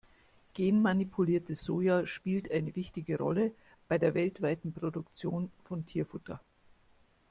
Genmanipuliertes Soja spielt eine wichtige Rolle bei der weltweiten Produktion von Tierfutter.